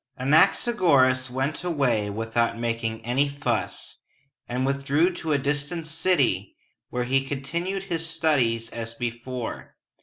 Anaxagoras went away without making any fuss, and withdrew to a distant city, where he continued his studies as before.